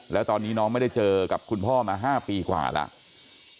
แล้วตอนนี้น้องไม่ได้เจอกับคุณพ่อมา๕ปีกว่าแล้ว